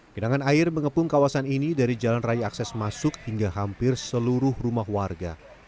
genangan air mengepung kawasan ini dari jalan raya akses masuk hingga hampir seluruh rumah warga